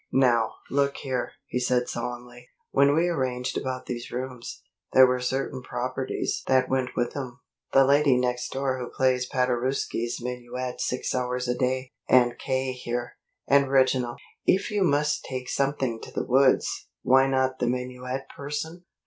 "Now, look here," he said solemnly. "When we arranged about these rooms, there were certain properties that went with them the lady next door who plays Paderewski's 'Minuet' six hours a day, and K. here, and Reginald. If you must take something to the woods, why not the minuet person?"